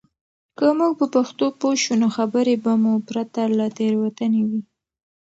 که موږ په پښتو پوه شو، نو خبرې به مو پرته له تېروتنې وي.